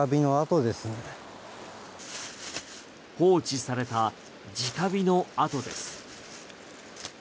放置された直火の跡です。